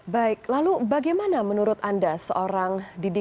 baik lalu bagaimana menurut anda seorang didik